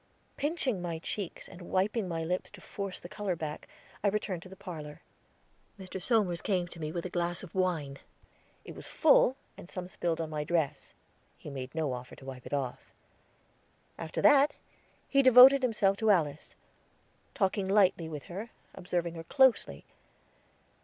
Pinching my cheeks and wiping my lips to force the color back, I returned to the parlor. Mr. Somers came to me with a glass of wine. It was full, and some spilled on my dress; he made no offer to wipe it off. After that, he devoted himself to Alice; talked lightly with her, observing her closely.